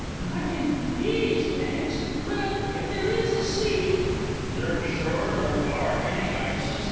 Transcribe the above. Not in the least, thanks. Well, if there is a seat.... You're sure there are any ices?